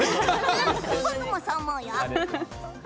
僕もそう思うよ。